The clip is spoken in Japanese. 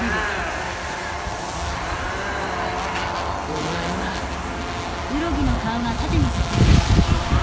お前もな。あっ？